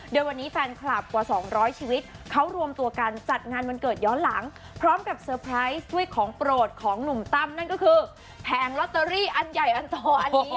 โดยวันนี้แฟนคลับกว่า๒๐๐ชีวิตเขารวมตัวกันจัดงานวันเกิดย้อนหลังพร้อมกับเซอร์ไพรส์ด้วยของโปรดของหนุ่มตั้มนั่นก็คือแผงลอตเตอรี่อันใหญ่อันโตอันนี้